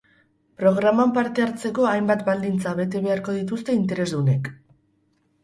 Programan parte hartzeko hainbat baldintza bete beharko dituzte interesdunek.